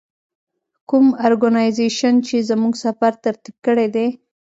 کوم ارګنایزیشن چې زموږ سفر ترتیب کړی دی.